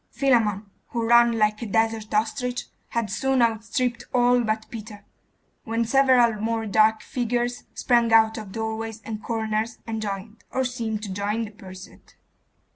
Philammon, who ran like a desert ostrich, had soon outstripped all but Peter, when several more dark figures sprang out of doorways and corners and joined, or seem to join, the pursuit.